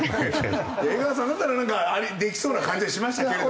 江川さんだったらなんかできそうな感じはしましたけれどもね。